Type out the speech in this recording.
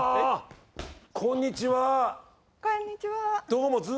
こんにちは。